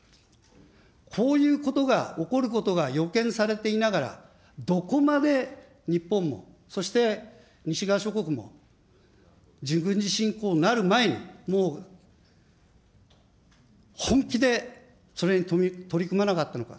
こういうことが起こることが予見されていながら、どこまで日本も、そして西側諸国も軍事侵攻になる前に本気でそれに取り組まなかったのか。